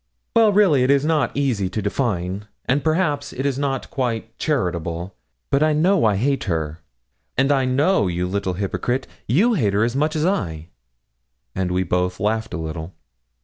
'Well, really, it is not easy to define, and, perhaps, it is not quite charitable; but I know I hate her, and I know, you little hypocrite, you hate her as much as I;' and we both laughed a little.